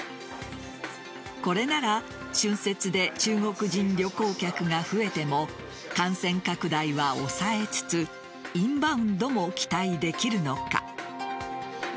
これなら春節で中国人旅行客が増えても感染拡大は抑えつつインバウンドも期待できるのか。